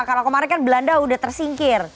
karena kemarin kan belanda udah tersingkir